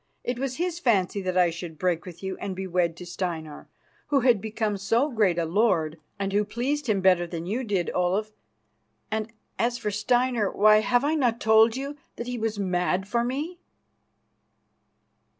It was his fancy that I should break with you and be wed to Steinar, who had become so great a lord and who pleased him better than you did, Olaf. And, as for Steinar why, have I not told you that he was mad for me?"